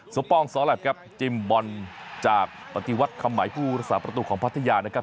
สวัสดีครับจิมบอลจากปฏิวัติคำหมายผู้ราษาประตูของพัทยานะครับ